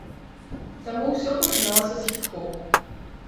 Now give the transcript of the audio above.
Таму ўсё пачыналася з хіп-хопу.